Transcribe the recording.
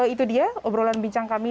itu dia obrolan bincang kami